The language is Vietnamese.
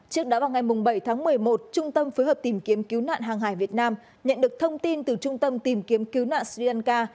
trước đó vào ngày bảy tháng một mươi một trung tâm phối hợp tìm kiếm cứu nạn hàng hải việt nam nhận được thông tin từ trung tâm tìm kiếm cứu nạn sri lanka